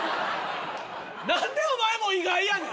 何でお前も意外やねん。